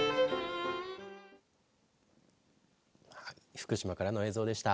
福島からの映像でした。